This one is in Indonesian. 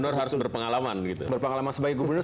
gubernur harus berpengalaman gitu berpengalaman sebagai gubernur